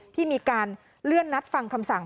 ที่มีการเลื่อนนัดฟังคำสั่ง